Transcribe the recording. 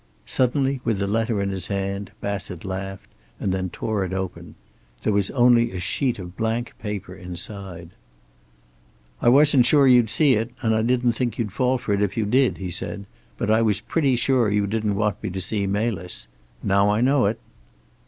Suddenly, with the letter in his hand, Bassett laughed and then tore it open. There was only a sheet of blank paper inside. "I wasn't sure you'd see it, and I didn't think you'd fall for it if you did," he observed. "But I was pretty sure you didn't want me to see Melis. Now I know it."